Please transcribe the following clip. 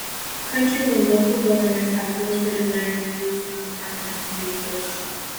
Countries and local governments have rules for design and use of parking spaces.